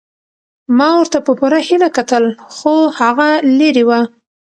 ما ورته په پوره هیله کتل خو هغه لیرې وه.